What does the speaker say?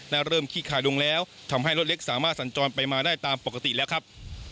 และเริ่มขี้ขายลงแล้วทำให้รถเล็กสามารถสัญจรไปมาได้ตามปกติแล้วครับ